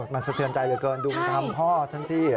มันเศรษฐ์เธอใจเหลือเกินดูตามพ่อทั้งที่